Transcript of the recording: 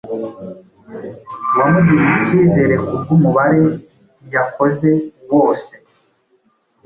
wamugiriye icyizere kubw’umubare yakoze wose